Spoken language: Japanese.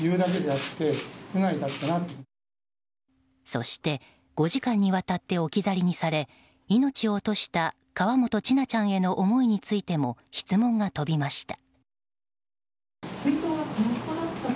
そして５時間にわたって置き去りにされ命を落とした河本千奈ちゃんへの思いについても質問が飛びました。